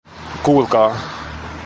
Kuulkaa.